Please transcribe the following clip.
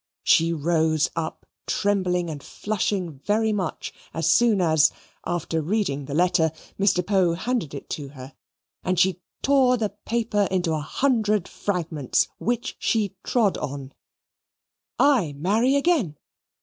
She rose up trembling and flushing very much as soon as, after reading the letter, Mr. Poe handed it to her, and she tore the paper into a hundred fragments, which she trod on. "I marry again!